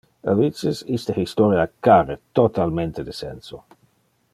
A vices, iste historia care totalmente de senso.